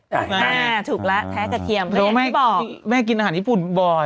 ค่ะแม่ถูกละแท้กระเทียมเขายากที่บอกแม่กินอาหารญี่ปุ่นบ่อย